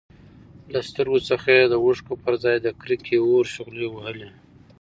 له سترګو څخه يې د اوښکو پرځای د کرکې اور شغلې وهلې.